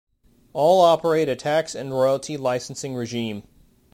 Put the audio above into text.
All operate a tax and royalty licensing regime.